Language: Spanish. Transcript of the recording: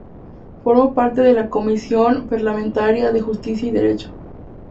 Formó parte de la Comisión parlamentaria de Justicia y derecho.